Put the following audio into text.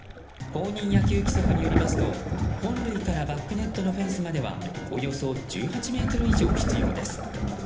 公認野球規則によりますと本塁からバックネットのフェンスまではおよそ１８ｍ以上必要です。